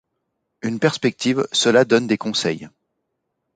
Une perspective, cela donne des conseils.